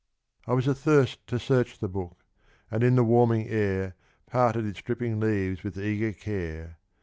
I was athirst To search the lx)ok, and in the wanninj^ air Parted its drippint,' leaves with eager care.